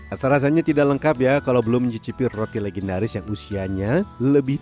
asal rasanya tidak lengkap ya kalau belum mencicipi roti legendaris yang usianya lebih